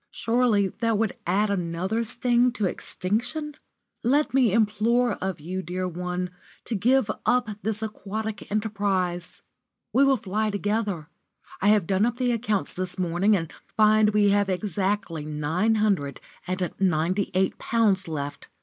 Surely that would add another sting to extinction? Let me implore of you, dear one, to give up this aquatic enterprise. We will fly together. I have done up the accounts this morning, and find we have exactly nine hundred and ninety eight pounds left.